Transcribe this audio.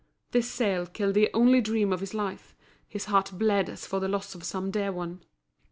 This sale killed the only dream of his life, his heart bled as for the loss of some dear one.